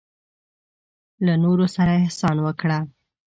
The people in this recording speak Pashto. له نورو سره احسان وکړه.